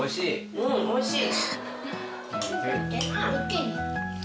うんおいしい。